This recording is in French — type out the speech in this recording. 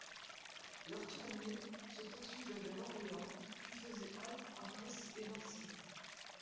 Leur tournée se poursuivait vers Orléans puis faisait halte à Reims et Nancy.